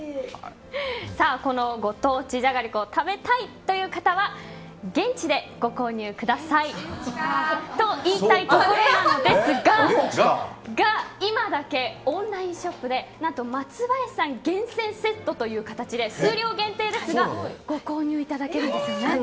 この、ご当地じゃがりこ食べたいという方は現地でご購入ください。と言いたいところなのですが今だけオンラインショップで何と松林さん厳選セットとして数量限定ですがご購入いただけるんですよね。